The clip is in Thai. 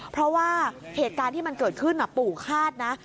เพราะว่าเหตุการณ์ที่มันเกิดขึ้นปู่คาดนะ